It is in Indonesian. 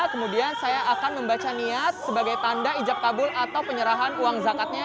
kemudian saya akan membaca niat sebagai tanda ijab kabul atau penyerahan uang zakatnya